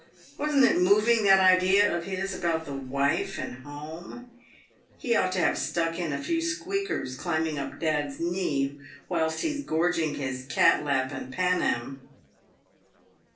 Wasn't it moving that idea of his about the wife and home ? He ought to have stuck in a few squeakers climbing up dad's knee whilst he's gorging his cat lap and panam."